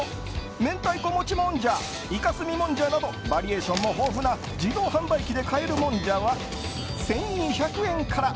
明太子もちもんじゃいか墨もんじゃなどバリエーションも豊富な自動販売機で買えるもんじゃは１２００円から。